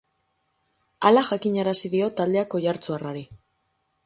Hala jakinarazi dio taldeak oiartzuarrari.